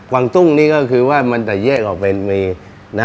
วังตุ้งนี่ก็คือว่ามันจะแยกออกเป็นเม